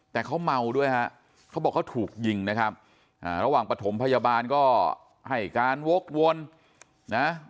แต่เขาเมาด้วยฮะเขาบอกเขาถูกยิงนะครับระหว่างปฐมพยาบาลก็ให้การวกวนนะ